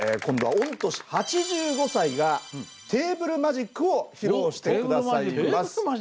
今度は御年８５歳がテーブルマジックを披露して下さいます。